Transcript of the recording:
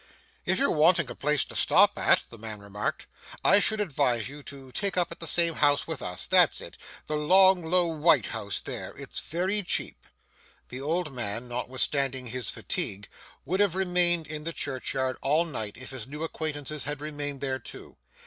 'If you're wanting a place to stop at,' the man remarked, 'I should advise you to take up at the same house with us. That's it. The long, low, white house there. It's very cheap.' The old man, notwithstanding his fatigue, would have remained in the churchyard all night if his new acquaintances had remained there too.